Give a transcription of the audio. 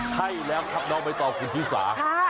ใช่แล้วคั่นมาต่อคุณพิสา